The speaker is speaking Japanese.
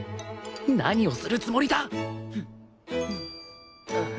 何をするつもりだ！？